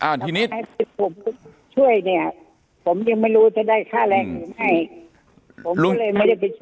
อันนี้ผมช่วยเนี่ยผมยังไม่รู้จะได้ค่าแรงอื่นให้ผมก็เลยไม่ได้ไปช่วย